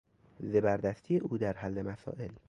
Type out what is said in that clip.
زبردستی او در حل مسائل